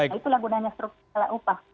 itulah gunanya struktur skala upah